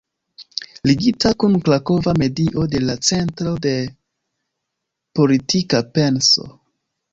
Ligita kun krakova medio de la Centro de Politika Penso.